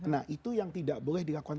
nah itu yang tidak boleh dilakukan